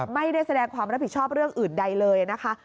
ไม่ได้แสดงความรับผิดชอบเรื่องอื่นใดเลยนะคะ